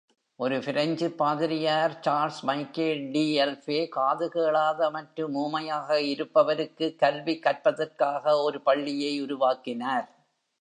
ஒரு பிரெஞ்சு பாதிரியார், சார்லஸ்-மைக்கேல் டி எல்'பே, காது கேளாத மற்றும் ஊமையாக இருப்பவருக்கு கல்வி கற்பதற்காக ஒரு பள்ளியை உருவாக்கினார்.